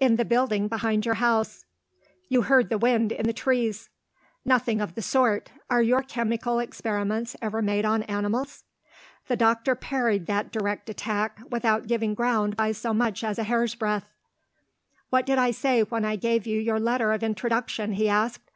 "In the building behind your house." "You heard the wind in the trees." "Nothing of the sort. Are your chemical experiments ever made on animals?" The doctor parried that direct attack, without giving ground by so much as a hair's breadth. "What did I say when I gave you your letter of introduction?" he asked.